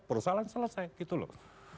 persalahan selesai gitu loh